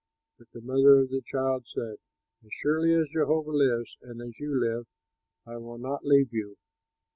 But the mother of the child said, "As surely as Jehovah lives and as you live, I will not leave you."